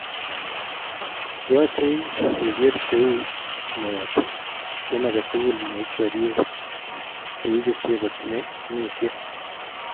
Yachei kekeer cheu meet eng agetukul ne ikwerie che ibisie kotinye kenyisiek